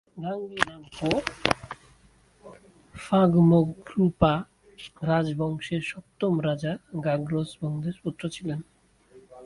ঙ্গাগ-গি-দ্বাং-পো ফাগ-মো-গ্রু-পা রাজবংশের সপ্তম রাজা গ্রাগ্স-পা-'ব্যুং-গ্নাসের পুত্র ছিলেন।